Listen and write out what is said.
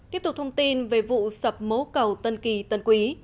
tiếp tục thông tin về vụ sập mố cầu tân kỳ tân quý